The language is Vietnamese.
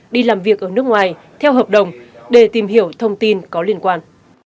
đi làm việc ở nước ngoài theo hợp đồng để tìm hiểu thông tin có liên quan